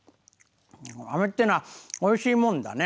あめっていうのはおいしいもんだね。